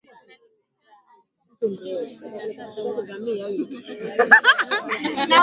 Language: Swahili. Dalili muhimu ya ugonjwa wa kuoza kwato ni kuvimba ngozi iliyo katikati ya kwato